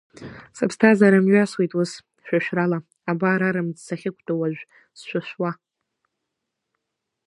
Сыԥсҭазаара мҩасуеит ус, шәышәрала, абар арымӡ сахьықәтәоу уажә сшәышәуа.